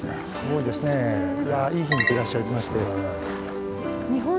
いやいい日にいらっしゃいまして。